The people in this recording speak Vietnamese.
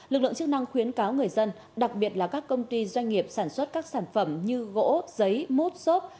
lực lượng chức năng khuyến cáo người dân đặc biệt là các công ty doanh nghiệp sản xuất các sản phẩm như gỗ giấy mút xốp